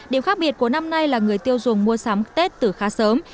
điểm khác biệt của năm nay là người tiêu dùng mua sắm tết từ khá sớm